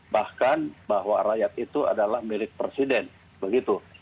bahkan bahwa rakyat itu adalah milik presiden begitu